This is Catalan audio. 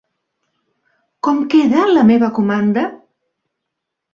Com queda la meva comanda?